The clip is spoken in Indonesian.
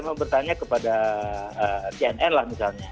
saya mau bertanya kepada cnn lah misalnya